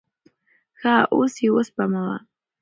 ښه اوس یې اوسپموه.